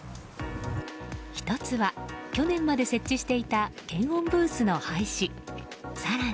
１つは、去年まで設置していた検温ブースの廃止。